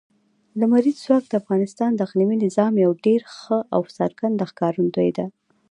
لمریز ځواک د افغانستان د اقلیمي نظام یوه ډېره ښه او څرګنده ښکارندوی ده.